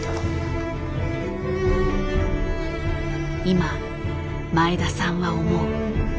今前田さんは思う。